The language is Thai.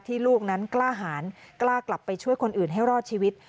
ลูกนั้นกล้าหารกล้ากลับไปช่วยคนอื่นให้รอดชีวิต